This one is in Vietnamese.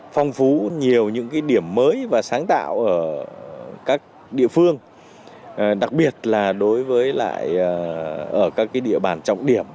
phong phú nhiều điểm mới và sáng tạo ở các địa phương đặc biệt là đối với các địa bàn trọng điểm